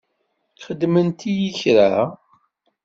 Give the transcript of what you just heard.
Xedment-iyi kra?